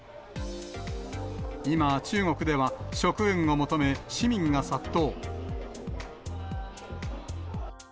今、中国では、食塩を求め、市民が殺到。